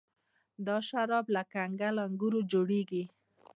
دا شراب له کنګل انګورو جوړیږي.